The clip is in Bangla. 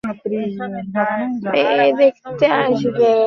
এই শুক্রবারে তারা মেয়ে দেখতে আসবে।